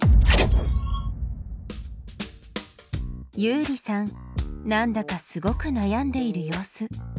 ユウリさんなんだかすごく悩んでいる様子。